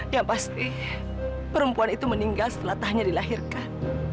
ya pasti perempuan itu meninggal setelah tahannya dilahirkan